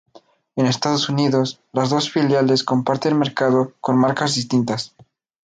En Estados Unidos, las dos filiales comparten mercado con marcas distintas.